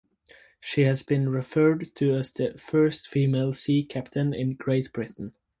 She has been referred to as the first female sea captain in Great Britain.